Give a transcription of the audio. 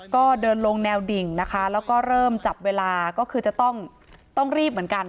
ก็เดินลงแนวดิ่งนะคะแล้วก็เริ่มจับเวลาก็คือจะต้องรีบเหมือนกัน